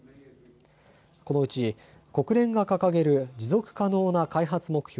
このうち国連が掲げる持続可能な開発目標